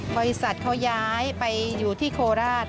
บริษัทเขาย้ายไปอยู่ที่โคราช